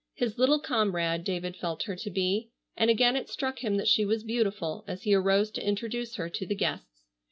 His little comrade, David felt her to be, and again it struck him that she was beautiful as he arose to introduce her to the guests.